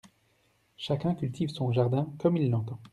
Chacun cultive son jardin comme il l’entend !